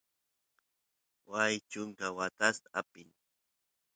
waay chunka watas apin